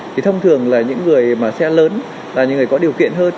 thì thông thường là những người mà xe lớn là những người có điều kiện hơn